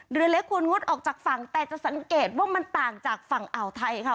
เรือเล็กควรงดออกจากฝั่งแต่จะสังเกตว่ามันต่างจากฝั่งอ่าวไทยค่ะ